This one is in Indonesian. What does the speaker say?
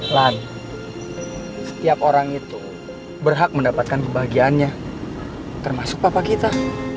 lan setiap orang itu berhak mendapatkan kebahagiaannya termasuk papa kita